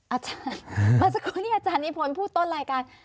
อาจารย์มาสักครู่นี่อาจารย์นี้พูดต้นรายการ